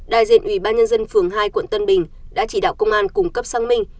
đại diện ủy ban nhân dân phường hai quận tân bình đã chỉ đạo công an cung cấp xác minh